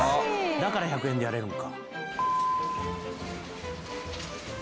「だから１００円でやれるんか」